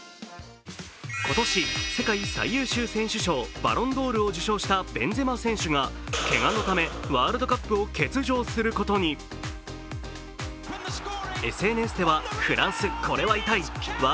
今年、世界最優秀選手賞バロンドールを受賞したベンゼマ選手がけがのためワールドカップを欠場することに。などの声が上がりました。